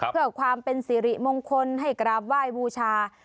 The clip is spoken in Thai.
เพื่อความเป็นสิริมงคลให้กราบไหว้บูชา